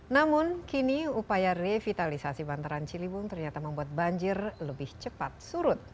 namun kini upaya revitalisasi bantaran ciliwung ternyata membuat banjir lebih cepat surut